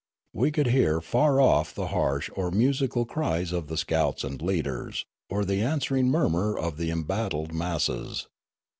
We could hear far off the harsh or musical cries of the scouts and leaders, or the answering murmur of the embattled masses.